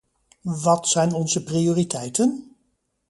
Wat zijn onze prioriteiten?